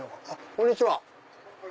こんにちは。